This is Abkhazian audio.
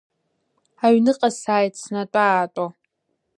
Аҩныҟа сааит снатәа-аатәо.